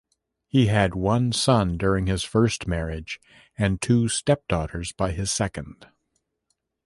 He had one son during his first marriage; and two step-daughters by his second.